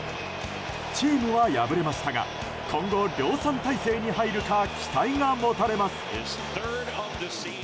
チームは敗れましたが今後、量産体制に入るか期待が持たれます。